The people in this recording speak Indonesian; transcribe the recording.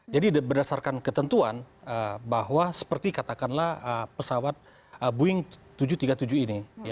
jadi berdasarkan ketentuan bahwa seperti katakanlah pesawat boeing tujuh ratus tiga puluh tujuh ini